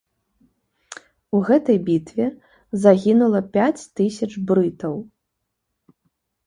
У гэтай бітве загінула пяць тысяч брытаў.